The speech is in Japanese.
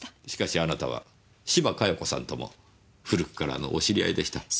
しかしあなたは島加代子さんとも古くからのお知り合いでした。